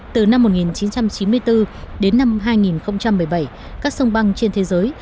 từ năm một nghìn chín trăm chín mươi bốn đến năm hai nghìn một mươi bảy các sông băng trên thế giới